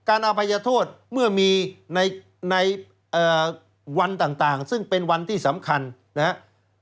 อภัยโทษเมื่อมีในวันต่างซึ่งเป็นวันที่สำคัญนะครับ